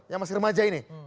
yang masih remaja ini